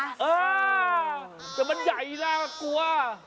เออแต่มันใหญ่น่ากลัว